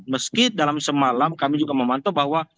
meski dalam semalam kami juga memantau bahwa